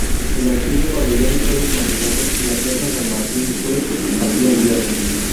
El antiguo pabellón fue desmantelado y la Plaza San Martín fue así ampliada.